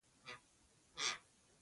غالۍ د جومات ارزښت زیاتوي.